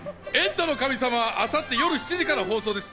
『エンタの神様』は明後日、夜７時から放送です。